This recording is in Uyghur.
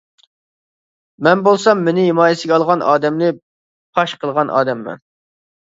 مەن بولسام مېنى ھىمايىسىگە ئالغان ئادەمنى پاش قىلغان ئادەممەن.